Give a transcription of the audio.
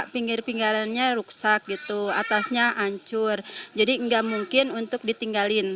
pinggir pinggarannya rusak gitu atasnya hancur jadi nggak mungkin untuk ditinggalin